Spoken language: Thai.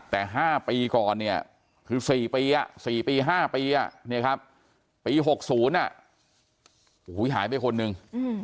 แต่๕ปีก่อนเนี่ยคือ๔ปี๔ปี๕ปีปี๖๐หายไปคนนึง